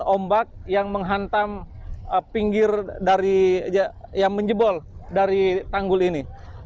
ombak yang menghantam pinggir dari yang menjebol dari tanggul ini